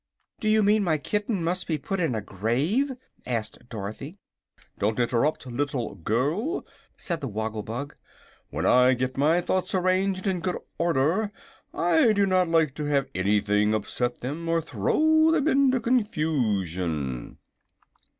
"Do you mean my kitten must be put in a grave?" asked Dorothy. "Don't interrupt, little girl," said the Woggle Bug. "When I get my thoughts arranged in good order I do not like to have anything upset them or throw them into confusion."